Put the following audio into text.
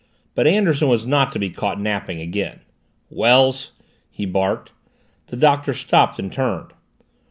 But Anderson was not to be caught napping again. "Wells!" he barked. The Doctor stopped and turned.